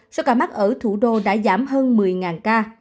số ca mắc ở thủ đô đã giảm hơn một mươi ca